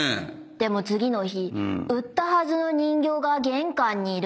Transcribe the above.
でも次の日売ったはずの人形が玄関にいるんだよ。